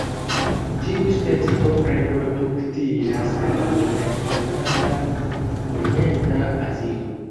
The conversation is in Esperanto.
Tiu specio reproduktiĝas en moderklimata orienta Azio.